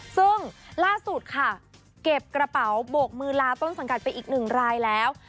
ซึ่งล่าสุดค่ะเก็บกระเป๋าโบกมือลาต้นสังกัดไปอีกหนึ่งรายแล้ว